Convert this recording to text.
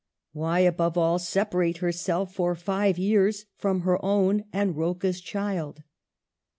Why, above all, separate herself for five years from her own and Rocca's child